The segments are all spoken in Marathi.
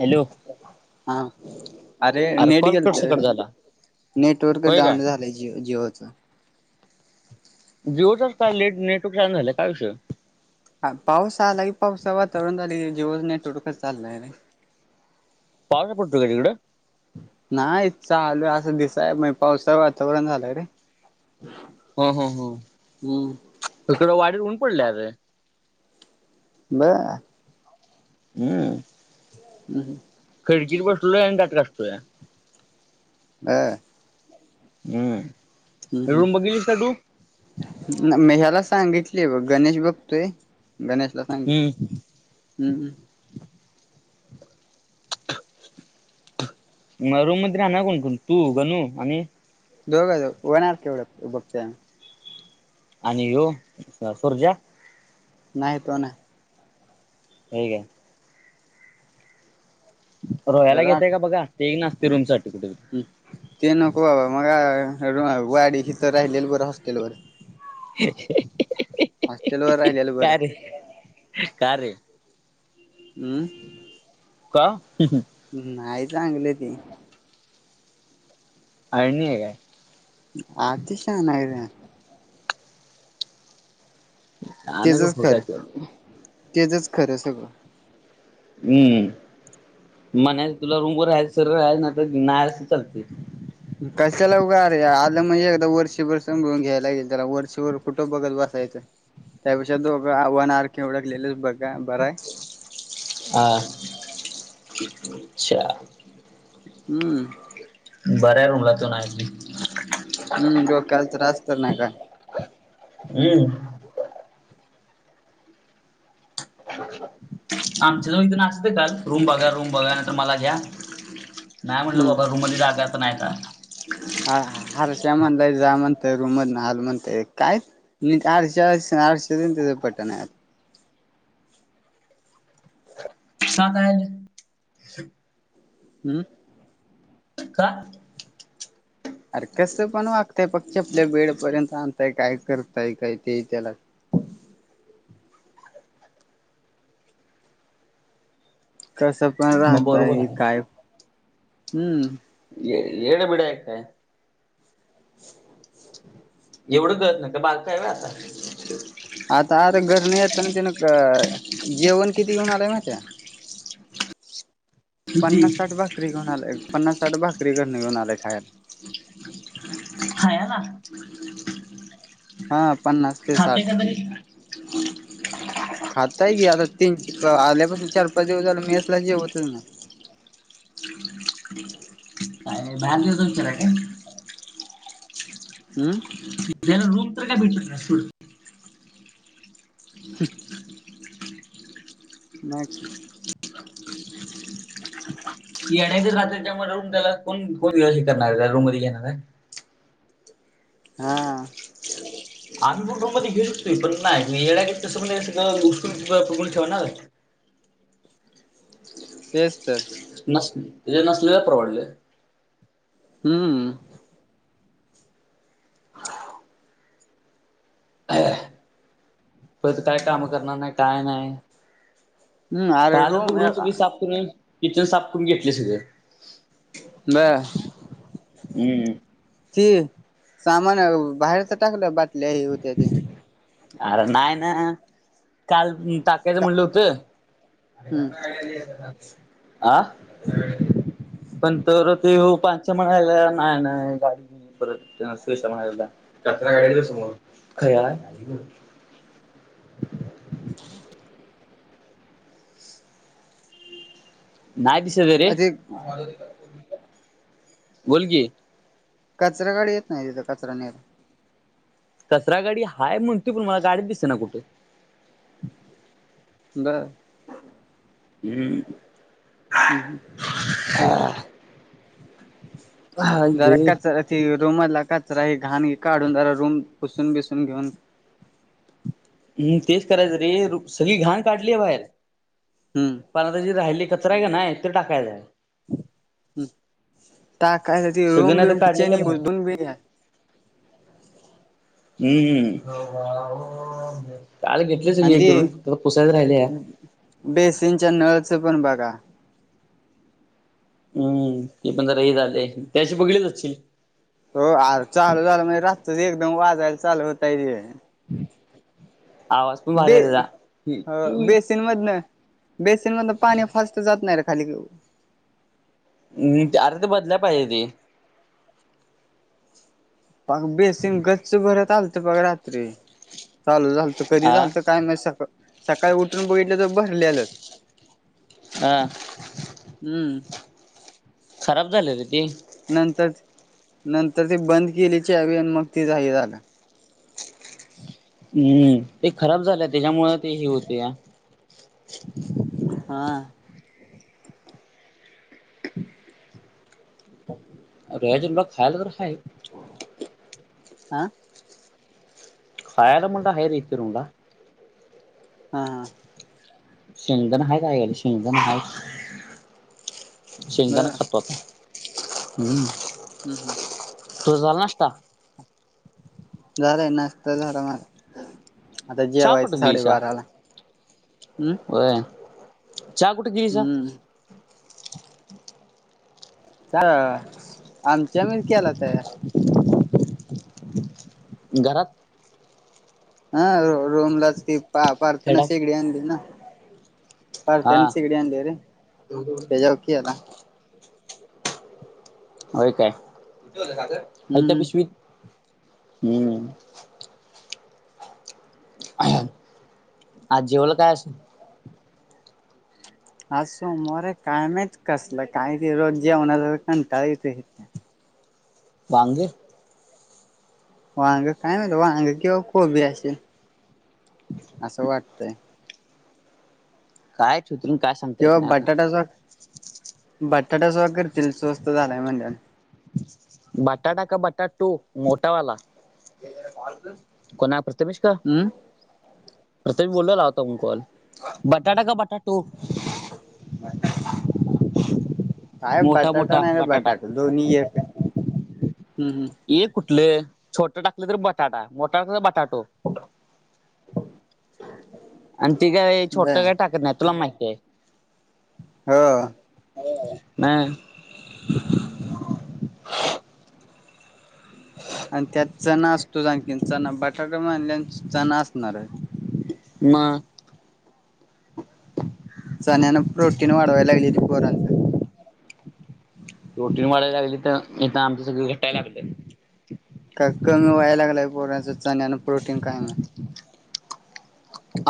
हॅलो हा अरे नेट कॉल गेलत कट रे सकट झाला नेटवर्क होय काय डाऊन झालंय जि जिओच जिओच का लेट नेटवर्क चालू झालं काय विषय आहे हा पाऊस आला की पाऊसाच वातावरण झाली की जिओच नेटवर्क चालत नाही पाऊस पडतोय का तिकडे नाही चालू आहे असं दिसय मग पावसाच वातावरण झालंय रे [inaudible] ह ह ह हम्म. इकडं वाडीत ऊन पडलय अरे बरं हम्म ह खिडकीत बसलोय आणि दाट घासतोय हा हम्म हम्म रूम बघितलीस का तु मी ह्याला सांगितली बघ गणेश बघतोय गणेशला सांगित हम्म हम्म हम्म मग रूम मध्ये राहणार कोणकोण तू गणू आणि दोघ होणार केवढ बघत आणि ह्ये सुरज्या नाही तो नाही. होय काय रोयाला घेताय राख का बघा ते नाचतय रुमसाठी कुठे ते नको बाबा मग वाडी इथ राहिलेल बरं हॉस्टेल वर. हा हा हॉस्टेलवर राहिलेलं का बरं. रे का रे? हम्म. का? नाही चांगली ती. अळणीय काय? अतिशाना आहे र. अन तेजच हो काय खरं तर तेजज खरं सगळं. हम्म म्हणायच तुला रुमवर राहायचं सरळ राहायचं नाही तर नाही आलास तरी चालतंय. [inaudible] कशाला उग अरे आलं म्हणजे एकदा वर्षभर सांभाळून घ्यायला लागेल त्याला वर्षभर कुठ बघत बसायचं त्यापेक्षा दोघ आर वन आर के हुडकलेलेच बघा बराय. आ च्छा. हम्म. बरं आहे रुमला तो नाही ते. हम्म डोक्याला त्रास तर नाही काय. हम्म आमच्या‌‌ जवळ इथे नाचत येत्यात रूम बघा रूम बघा नाही तर मला घ्या नाही म्हटलं हम्म बाबा रूममध्ये जागाच नाही आता. ह हा हर्षा म्हणलाय जा म्हणतोय रुममधन हाल म्हणतोय काय. नीट हर्षा असणा हर्षाच आणि त्यांचं पटनाय. [unintelligible] हम्म. का? अर कसं पण वागतंय चपल्या बेडपर्यंत आणताय काय करतय काय ते त्याला. कसं पण मग राहताय् बरोबर हे आहे काय हम्म. ये येडबीड आहे का काय? [inaudible] एवढं कळत नाही काय बारक आहे होय आता. आता आर घरण येताना तेन क जेवण किती घेऊन आलंय माहितीय का? पन्नास साठ भाकरी घेऊन आलय पन्नास साठ भाकरी घरन घेऊन आलय् खायला. खायायला हा पन्नास ते खातय साठ काय तरी. [inaudible] खाताय की आता तीन आल्यापासून चार पाच दिवस झाले मेस ला जेवतच नाही. [inaudible] अ न [unintelligible] हम्म. त्याला रूम तर काय भेटत नाही सोड. हम्म नाही क येड्या ग राहतय त्यामुळे रूम त्याला कोण कोण हे करणाराय रूममध्ये घेणार आहे. हा. आम्ही पण रूम मध्ये घेऊ शकतोय पण नाही म येड्यागत कसं पण हे सगळ उसकून कोंबून ठेवणार. तेच तर. नस तित नसलेल परवडलं. हम्म. परत काय काम करणार नाही काय न्हाय. हम्म अरे कालच रोम बघ रूम सगळी साफ करून किचन साफ करून घेतल सगळ. ब. हम्म. ती सामान बाहेर च टाकलं बाटल्या हे होत्या ती. अर नाही ना काल टाक कायच का म्हणलं होत हम्म आ [unintelligible] पण तर ते हो पाचशे मणाला नाही ना गाडी पर त्यां स म्हणा रात्र गाड ख [inaudible] हम नाही दिसल रे ते बोल की कचरा गाडी येत नाही तिथं कचरा न्यायला कचरा गाडी हाय म्हणतोय पण मला गाडीतच दिसेना कुठे बर हम् हम् हम [inaudible] हा घे जरा कचरा ते रूमधला कचरा हे घाण काढून जरा रूम पुसून बिसून घेऊन हम तेच करायचं रे सगळी घाण काढली आहे बाहेर हम्म पण आता जी राहिलेला कचरा आहे का नाही ते टाकायचं सगळं नाही तर काढलेलं बाहेर [inaudible] हम्मम काल घेतलेच मी आणि हे करून पण पुसायचं राहिलंय बेसीनच्या नळचं पण बघा हम्म ती पण जरा हे झालाय त्यादिवशी बघितलंच असशील हो आर चालू झालं म्हणजे राततच एकदम वाजायला चालू होतय् ह् बे अ त्याचा बेसीन मधन बेसन म तर पाणी फस्तता जात नाही रे खाली मि अर्थ बदल्या पाहिजे ती पग बेसंग गच्च भरत आलत बघ रात्री चालू झालत कधी हा झालत काय माहिती सका सकाळी उठून बघितलं तर भरलेलंच हा हम्म खराब झाले त ती नंतर नंतर ते बंद केलेचे चावी मग ते जाहीर झालं हम्म ते खराब झालं त्याच्यामुळ ते ही होते या हा [inaudible] रज लो खायला तर खाय हा खायला म्हंटल तर हाय रे हिथे रूम ला हा हा शेंगदाण आहे बाहेर शेंगदाण आहे शेंगदाण बर संपव हम्म हं हं तू झाल नाष्टा झालाय नाश्ता झाला माझा आता चहा जेवायचं कुठं साडेबाराला हम्म वय चहा कुठ गिलीस हम्म आमच्या मिर केला होता घरात हा र रोमलाच ती पा पारताना खेडा शेगडी आणली ना परत्याने हा शेगडी आणलीय रे त्याचावर केला होय कायता हम्म पिशवी हम्म आज जेवायला का अस सोमवार काय माहीत कसलं कायती रोज जेवणा चा कंटाळा येतोय वांगे वांग काय म्हणत वांग किंवा कोबी असेल असं वाटतय. काय चित्रुन काय सांगता येत किंवा नाही आता बटाटा बटाटाचा कर कि स्वस्त झालाय य्हणत्यात. बटाटा का बटाटू मोठा वाला कोणाब? तमिष्कर हम्म. प्रथमेश बोलला होता कॉल बटाटा का बटाटू? काय मोठा बटाटा मोठा नाही बटाटा बटाटू दोनही एक हम् हम्. ये कुठलं छोट टाकलं तर बटाटा मोठा टाकला तर बटाटो. आणि ती काय छोटं बर काय टाकत नाही तुला माहिती आहे. हो. नाही आणि त्यात चणा असतो जाखीन चणा बटाटा मनल्यान चणा असणार आहे. मग? [inaudible] चण्यान प्रोटीन वाढवायला लागली त पोरांचं. प्रोटीन वाढायला लागली तर आमचं सगळं घटायला लागलं. का कमी व्हाय लागलाय पोराच चण्यान प्रोटीन काय माहित?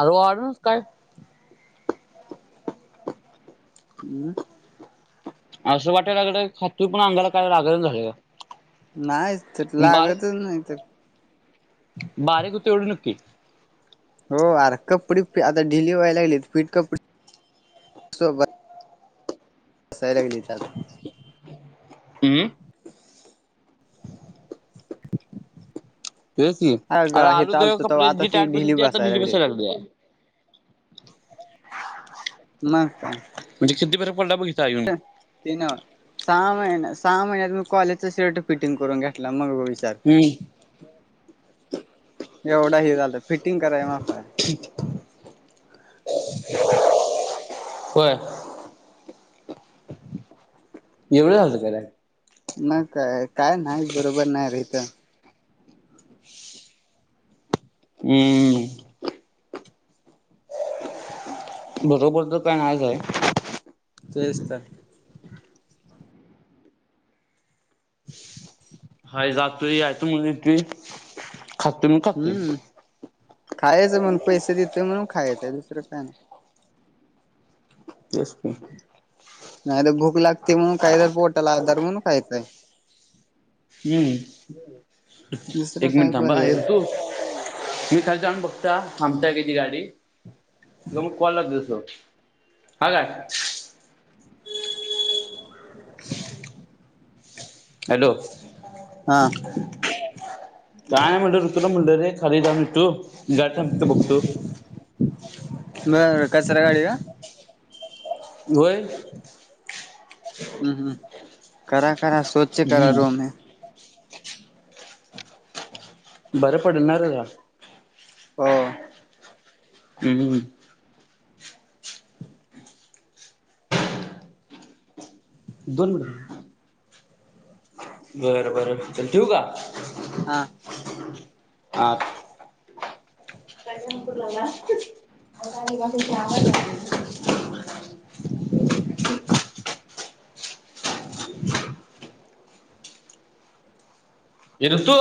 अजून वाढल नाहीस काय? हम्म [inaudible] असं वाटयला लागलं खातू पण अंगाला काय लागनाच झालंय का. नाहीच त लागतच नाही तर. बारिक हुतोय एवढ नक्की. हो आर, कपडे आता ढिली व्हायला लागली आहेत. फिट कपडे.. सोब हसाय लागली त्या अम्म... तेच कि अग अरे, आलो हित की आलतो तवा कपडे आता जी टाईट बसत होती. ती आता बसायला ढिली लागलीत बसाय लागल्या. [inaudible] मग काय? म्हणजे किती वेर पडला बघितताई [unintelligible] ते नव्ह सहा महिन सहा महिन्यात, मी कॉलेजच शर्टर फिटिंग करून घेतला मग. ार हम्म एवढा ही झालाय फिटिंग करायच्या मापाचा. ठीक. होय. एवढं झालतं काय? मग काय काय नाही बरोबर नाही रे हीत. हम्ममम. बरोबर, तर पॅन आहेच आहे. शिस्तात. हाय जातोय आय त म्हेत [unintelligible] हम्म, खायचं म्हण पैसे देतोय म्हणून खायचंय दुसरं काय नाही. जसे मी नाही तर भूक लागते, म्हणून काही तरर पोटला आदार म्हणून खायचंय. हम्म.. दुसरं एक काय मिनट थांबा हा पर्याय येतो. मी खाली जाऊन बघतो. थांबत्या का ती गाडी तू मग कॉलला दिसल हा काय. हॅलो? हा काय म्हणत होतो? म्हणलं रे, खाली जाउन येतो, गाडी थांबल्या का बघतो. बर, कचरा गाडी का? होय. हम्म हम्म, करा-करा स्वच्छ करा रूम हम्म बरं पडणार? [unintelligible] हो. हम्म्म्ं. दोन मिनट. बर बर, चल ठेऊ का? हा. [unintelligible] हा. [unintelligible] [inaudible] ओम. [unintelligible] ए ऋतू.